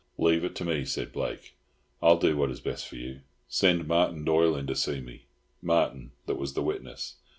"Leave it to me," said Blake. "I'll do what is best for you. Send Martin Doyle in to see me, Martin that was the witness.